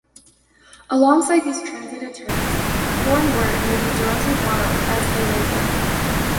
Alongside these translated terms, the foreign word may be directly borrowed as gairaigo.